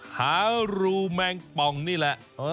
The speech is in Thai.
หารูแมงป่องนี่แหละ